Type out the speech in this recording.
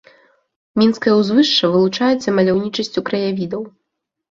Мінскае ўзвышша вылучаецца маляўнічасцю краявідаў.